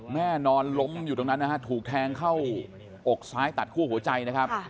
นอนล้มอยู่ตรงนั้นนะฮะถูกแทงเข้าอกซ้ายตัดคั่วหัวใจนะครับ